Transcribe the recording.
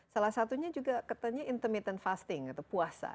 salah satunya juga katanya intermittent fasting atau puasa